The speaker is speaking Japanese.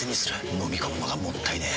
のみ込むのがもったいねえ。